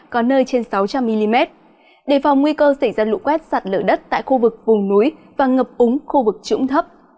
có nơi trên sáu trăm linh mm đề phòng nguy cơ xảy ra lũ quét sạt lở đất tại khu vực vùng núi và ngập úng khu vực trũng thấp